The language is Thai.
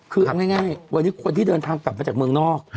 คือง่ายควรที่เดินทางกลับมาจากเมืองนอก